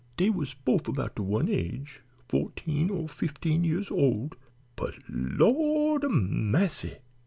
Dey was bofe about de one age, fo'teen or fifteen years old, but Lawd a massy!